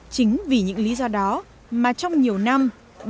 chính vì những lý do đó mà trong nhiều năm